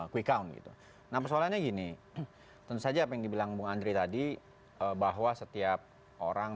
quick count gitu nah persoalannya gini tentu saja apa yang dibilang bung andri tadi bahwa setiap orang